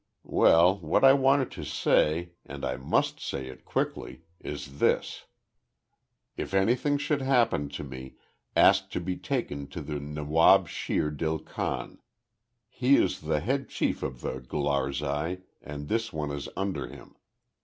Well, what I wanted to say, and I must say it quickly, is this, If anything should happen to me, ask to be taken to the Nawab Shere Dil Khan. He is the head chief of the Gularzai, and this one is under him.